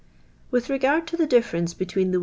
With recard to the diflference between the wa^'.'